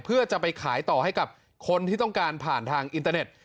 เพื่อจะไปขายต่อให้กับคนที่ต้องการผ่านทางอินเตอร์เน็ต